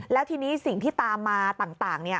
แล้วทีนี้สิ่งที่ตามมาต่าง